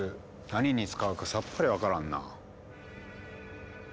何に使うかさっぱり分からんな。